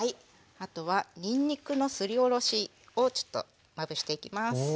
あとはにんにくのすりおろしをちょっとまぶしていきます。